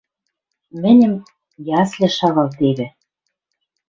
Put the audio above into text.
Мӹньӹм ясльыш шагалтевӹ.